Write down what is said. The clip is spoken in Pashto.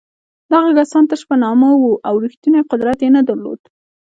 دغه کسان تش په نامه وو او رښتینی قدرت یې نه درلود.